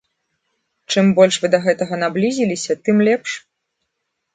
Чым больш вы да гэтага наблізіліся, тым лепш.